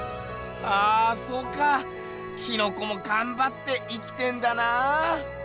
ああそうかキノコもがんばって生きてんだなぁ。